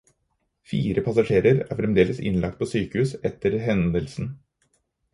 Fire passasjerer er fremdeles innlagt på sykehus etter hendelsen.